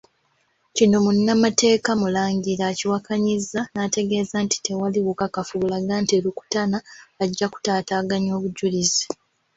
Kino Munnamateeka Mulangira akiwakanyizza n'ategeeza nti tewali bukakafu bulaga nti Rukutana ajja kutaataaganya obujjulizi.